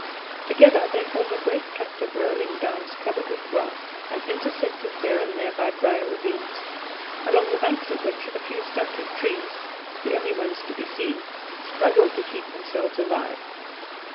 Together they form a great tract of rolling downs covered with grass, and intersected here and there by dry ravines, along the baked banks of which a few stunted trees the only ones to be seen struggle to keep themselves alive.